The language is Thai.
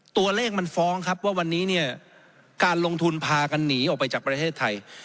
ตัวเลขมันฟ้องครับว่าวันนี้เนี่ยการลงทุนพากันหนีออกไปจากประเทศไทย